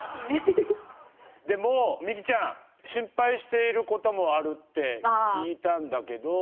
でも、みきちゃん心配していることもあるって聞いたんだけど。